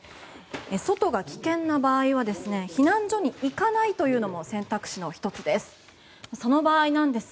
外が危険な場合は避難所に行かないというのも選択肢の１つです。